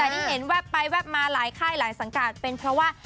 แต่ที่เห็นแวบไปแวบมาหลายค่ายหลายสังกัดเป็นเพราะว่า